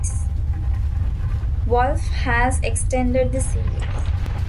Wolfe has extended the series.